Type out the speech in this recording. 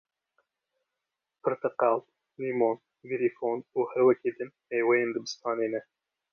Pirteqal, lîmon, grîfon û hwd. mêweyên dibistanê ne.